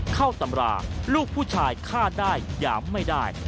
ตำราลูกผู้ชายฆ่าได้หยามไม่ได้